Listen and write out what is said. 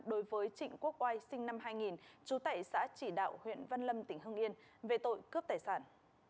đối với trịnh quốc oai sinh năm hai nghìn trú tại xã chỉ đạo huyện văn lâm tỉnh hưng yên về tội cướp tài sản